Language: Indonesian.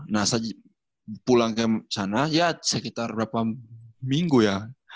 nah saya pulang ke sana ya sekitar berapa minggu ya